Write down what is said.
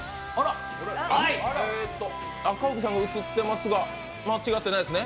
赤荻さんが映ってますが、間違ってないですね？